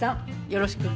よろしく。